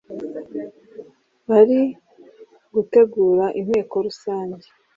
ari gutegura inteko rusange